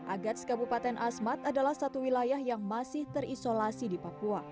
agats kabupaten asmat adalah satu wilayah yang masih terisolasi di papua